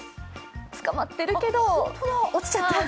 つかまってるけど落ちちゃった。